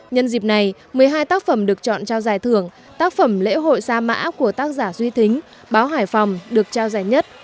nhân dịp này một mươi hai tác phẩm được chọn trao giải thưởng tác phẩm lễ hội sa mã của tác giả duy thính báo hải phòng được trao giải nhất